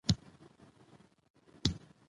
که غریبانو سره مرسته وکړو نو لوږه نه خپریږي.